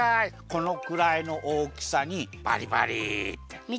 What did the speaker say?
このくらいのおおきさにバリバリ。